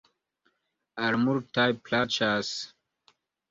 Al multaj plaĉas.